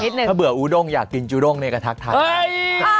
ถ้าเบื่ออูด้งอยากกินจูด้งเนี่ยก็ทักทาย